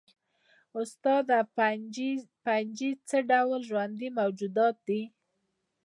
استاده فنجي څه ډول ژوندي موجودات دي